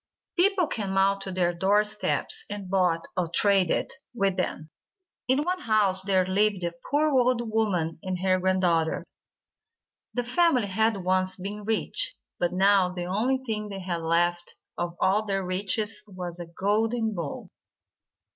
People came out to their door steps, and bought, or traded, with them. In one house there lived a poor old woman and her granddaughter. The family had once been rich, but now the only thing they had left of all their riches was a golden bowl.